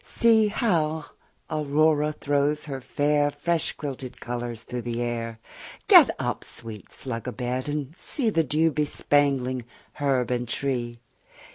See how Aurora throws her fair Fresh quilted colours through the air: Get up, sweet slug a bed, and see 5 The dew bespangling herb and tree!